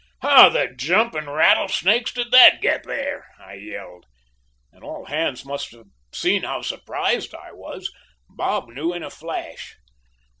"'How the jumping rattlesnakes did that get there?' I yelled, and all hands must have seen how surprised I was. Bob knew in a flash.